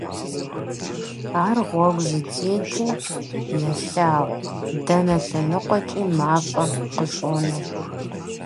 Ар гъуэгу здытетым, елъагъу: дэнэ лъэныкъуэкӀи мафӀэ къыщӀонэ.